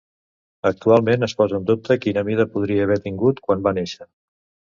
Actualment es posa en dubte quina mida podria haver tingut quan va néixer.